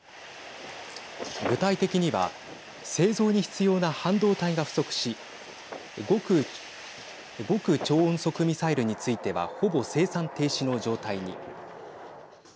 具体的には製造に必要な半導体が不足し極超音速ミサイルについてはほぼ生産停止の状態に。